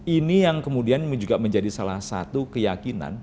ini yang kemudian juga menjadi salah satu keyakinan